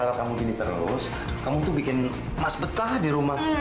kalau kamu gini terus kamu tuh bikin emas betah di rumah